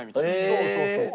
そうそうそう。